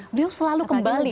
beliau selalu kembali